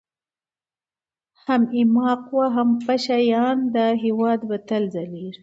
هم ايـــماق و هم پـــشــه یــــیــان، دا هـــیــواد به تــل ځلــــــیــــږي